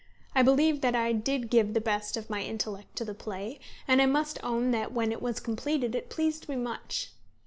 _ I believe that I did give the best of my intellect to the play, and I must own that when it was completed it pleased me much.